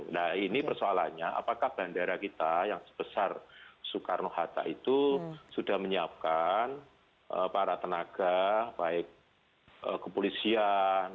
nah ini persoalannya apakah bandara kita yang sebesar soekarno hatta itu sudah menyiapkan para tenaga baik kepolisian